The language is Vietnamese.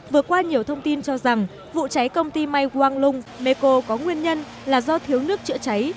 vừa qua nhiều thông tin cho rằng vụ cháy công ty may wang lung meko có nguyên nhân là do thiếu nước chữa cháy